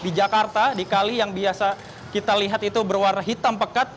di jakarta di kali yang biasa kita lihat itu berwarna hitam pekat